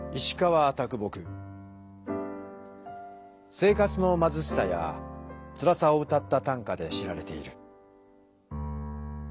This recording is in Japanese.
生活のまずしさやつらさを歌った短歌で知られている。